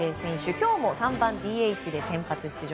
今日も３番ＤＨで先発出場。